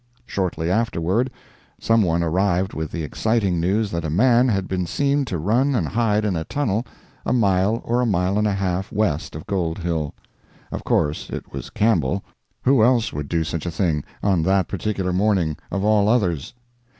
Shortly afterward, some one arrived with the exciting news that a man had been seen to run and hide in a tunnel a mile or a mile and a half west of Gold Hill. Of course it was Campbell—who else would do such a thing, on that particular morning, of all others?